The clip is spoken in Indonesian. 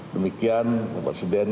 demikian bapak presiden